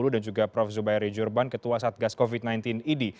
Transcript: dan juga prof zubairi jurban ketua satgas covid sembilan belas id